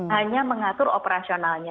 hanya mengatur operasionalnya